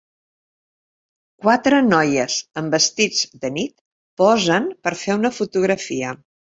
quatre noies amb vestits de nit posen per fer una fotografia.